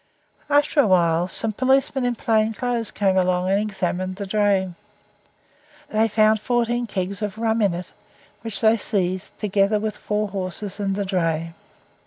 After a while some policemen in plain clothes came along and examined the dray. They found fourteen kegs of rum in it, which they seized, together with four horses and the dray.